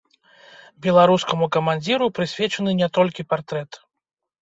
Беларускаму камандзіру прысвечаны не толькі партрэт.